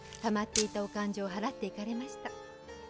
たまっていたお勘定を払っていかれました。